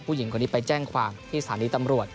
ผู้หญิงคนนี้ไปแจ้งความที่สถานีตำรวจ